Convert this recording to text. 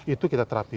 itu kita terapi